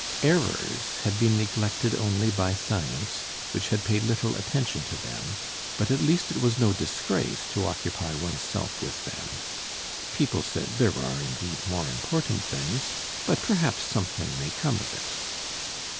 Errors had been neglected only by science, which had paid little attention to them; but at least it was no disgrace to occupy one's self with them. People said there are indeed more important things, but perhaps something may come of it.